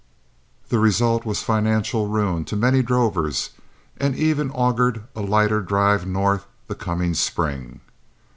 The result was financial ruin to many drovers, and even augured a lighter drive north the coming spring.